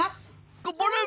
頑張れ！